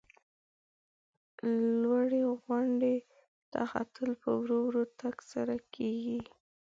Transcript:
لوړې غونډۍ ته ختل په ورو ورو تگ سره کیږي.